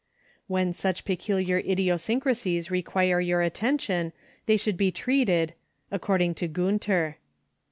When such peculiar idiosyncrasies require your at tention they should be treated — according to Gunter.